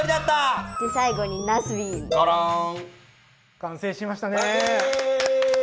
完成しましたね！